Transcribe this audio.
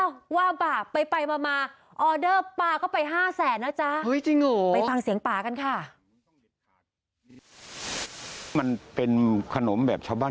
อ้าวว่าป่าไปมาออเดอร์ป่าก็ไปห้าแสนแล้วจ้ะ